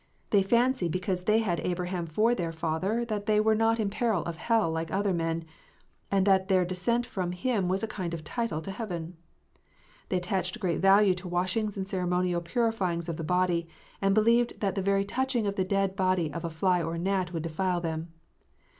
They fancied because they had Abraham for their father that they were not in peril of hell like other men, and that their descent from him was a kind of title to heaven. They attached great value to washings and ceremonial purifyings of the body, and believed that the very touching of the dead body of a fly or gnat would defile them.